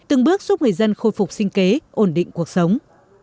từng bước giúp người dân khôi phục sinh kế ổn định cuộc sống